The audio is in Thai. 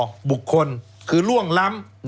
แล้วเขาก็ใช้วิธีการเหมือนกับในการ์ตูน